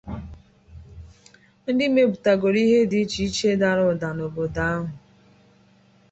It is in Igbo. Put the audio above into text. ndị mepụtagoro ihe dị iche iche dara ụda n'obodo ahụ.